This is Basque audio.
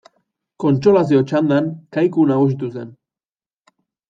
Kontsolazio txandan Kaiku nagusitu zen.